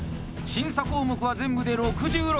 審査項目は全部で６６。